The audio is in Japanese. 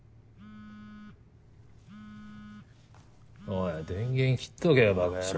おい電源切っとけよバカ野郎。